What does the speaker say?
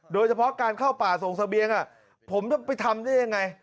โดยเฉพาะการเข้าป่าส่งเสบียงผมจะไปทำได้ยังไง